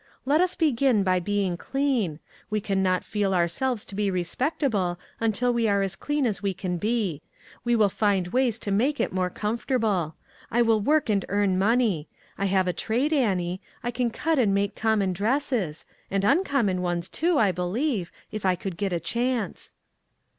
" Let us begin by being clean ; we can not feel ourselves to be respectable until we are as clean as we can be. We will find ways to make it more comfortable. I will work and earn money. I have a trade, Annie; I can cut and make common dresses; and uncommon ones, too, I believe, if I could get a chance."